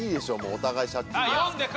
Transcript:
お互い借金。